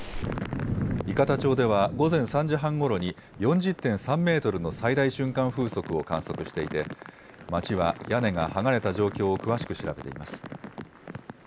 伊方町では、午前３時半ごろに４０．３メートルの最大瞬間風速を観測していて、町は屋根が剥がれた状況を詳しく調べています。